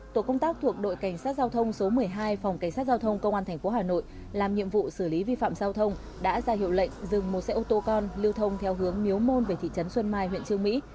tổ công tác thuộc đội cảnh sát giao thông số một mươi hai phòng cảnh sát giao thông công an tp hà nội làm nhiệm vụ xử lý vi phạm giao thông đã ra hiệu lệnh dừng một xe ô tô con lưu thông theo hướng miếu môn về thị trấn xuân mai huyện trương mỹ